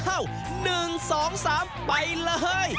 อ้าวหนึ่งสองสามไปเลย